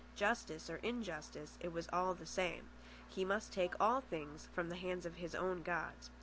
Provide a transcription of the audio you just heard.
Justice or injustice, it was all the same, he must take all things from the hands of his own gods.